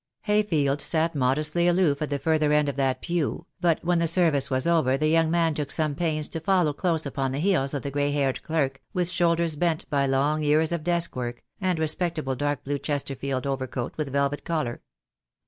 Hayfield sat modestly aloof at the further end of the pew, but when the service was over the young man took some pains to follow close upon the heels of the grey haired clerk, with shoulders bent by long years of desk work, and respectable dark blue Chesterfield over coat with velvet collar.